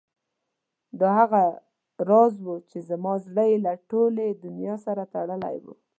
دا هغه راز و چې زما زړه یې له ټولې دنیا سره تړلی و.